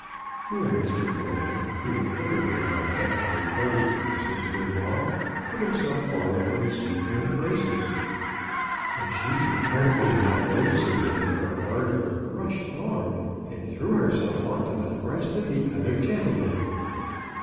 Here Mr. Brown, who had ever been on affec tionate terms with his sister in law, put himself 74 CHRISTMAS AT THOMPSON HALL. forward to receive her embraces ; but she, ap parently not noticing him in her ardor, rushed on and threw herself on to the breast of the other gentleman.